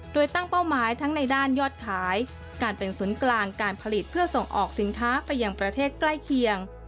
โดยตั้งเป้าหมายทั้งในด้านยอดขายการเป็นศูนย์กลางการผลิตเพื่อส่งออกสินค้าไปยังประเทศใกล้เคียง